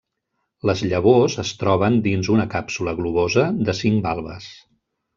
Les llavors es troben dins una càpsula globosa de cinc valves.